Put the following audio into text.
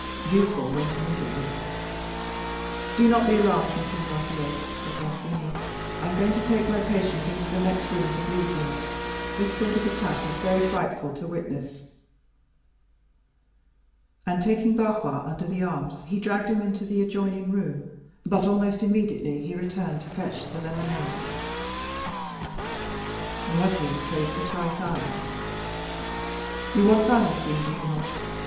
Villefort went immediately. "Do not be alarmed, M. Noirtier," said d'Avrigny; "I am going to take my patient into the next room to bleed him; this sort of attack is very frightful to witness." And taking Barrois under the arms, he dragged him into an adjoining room; but almost immediately he returned to fetch the lemonade. Noirtier closed his right eye. "You want Valentine, do you not?